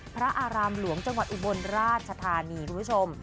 พระอารามหลวงจังหวัดอุบลราชธานีคุณผู้ชม